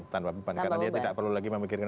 tanpa beban karena dia tidak perlu lagi memikirkan